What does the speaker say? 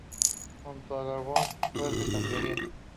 Junto a Gabor su suerte cambiará.